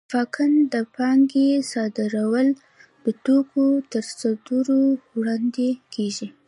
اتفاقاً د پانګې صادرول د توکو تر صدور وړاندې کېږي